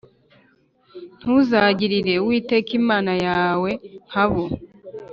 Ntuzagirire Uwiteka Imana yawe nka bo